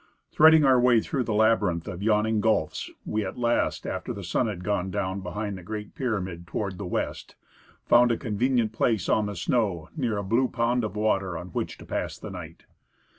Threading our way through the labyrinth of yawning gulfs, we at last, after the sun had gone down behind the great pyramid toward the west, found a con venient place on the snow, near a blue pond of water, on which to pass the night.